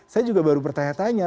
saya juga baru bertanya tanya